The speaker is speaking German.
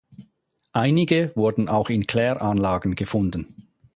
Einige wurden auch in Kläranlagen gefunden.